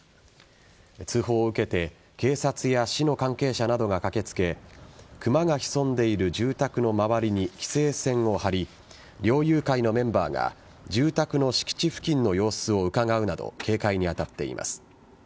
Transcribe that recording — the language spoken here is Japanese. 通報を受けて警察や市の関係者などが駆け付けクマが潜んでいる住宅の周りに規制線を張り猟友会のメンバーが住宅の敷地付近の様子をうかがうなど警戒に当たっています。